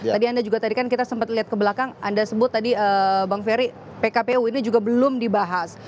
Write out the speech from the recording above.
tadi anda juga tadi kan kita sempat lihat ke belakang anda sebut tadi bang ferry pkpu ini juga belum dibahas